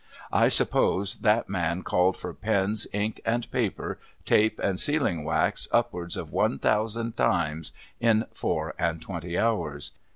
I suppose that man called for pens, ink, and paper, tajjc, and sealing wax, upwards of one thousand times in four and twcnty hours.